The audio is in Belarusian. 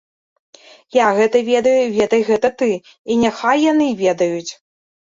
Я гэта ведаю, ведай гэта ты, і няхай яны ведаюць.